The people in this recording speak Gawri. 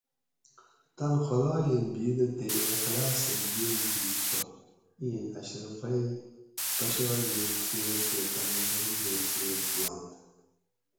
تن خُداۓ ایں بیدہ تے اخلاص سہ گیل دیش تو اِی اشرُفی پشاگ ایں کیر تے تانی غریض ایں کیر دِیانت